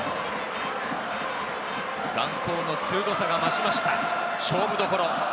眼光の鋭さが増しました、勝負どころ。